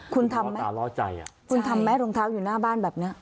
คุณทำไหมรองเท้าอยู่หน้าบ้านแบบนี้